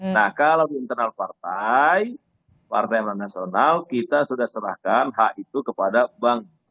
nah kalau di internal partai partai aman nasional kita sudah serahkan hak itu kepada bank